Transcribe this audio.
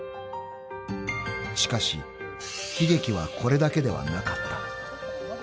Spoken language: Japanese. ［しかし悲劇はこれだけではなかった］